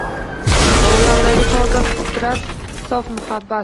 Bolalardagi toza fitrat, sof muhabbat!